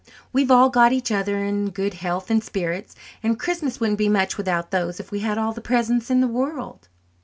We've all got each other and good health and spirits, and a Christmas wouldn't be much without those if we had all the presents in the world."